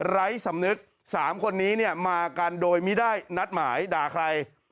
ไร้สำนึก๓คนนี้เนี่ยมากันโดยไม่ได้นัดหมายด่าใคร